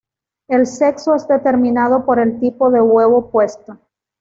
El sexo es determinado por el tipo de huevo puesto.